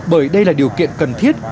bởi đây là điều kiện cần thiết